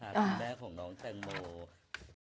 คุณแม่ของน้องแตงโม